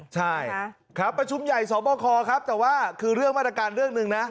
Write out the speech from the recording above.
ใช่ครับประชุมใหญ่สอบคอครับแต่ว่าคือเรื่องมาตรการเรื่องหนึ่งนะ